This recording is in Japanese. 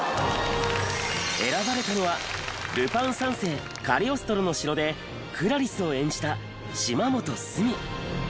選ばれたのは『ルパン三世カリオストロの城』でクラリスを演じた島本須美。